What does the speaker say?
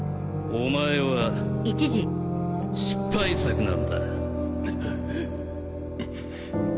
お前は失敗作なんだ